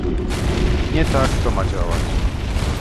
Nie tak to ma działać